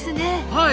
はい！